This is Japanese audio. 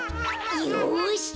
よし。